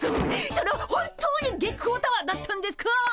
それ本当に月光タワーだったんですか！？